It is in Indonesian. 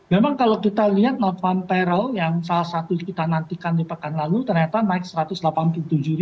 memang kalau kita lihat novanto yang salah satu kita nantikan di pekan lalu ternyata naik rp satu ratus delapan puluh tujuh